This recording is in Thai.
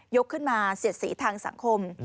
ขึ้นมาเสียดสีทางสังคม